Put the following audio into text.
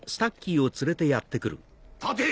立て！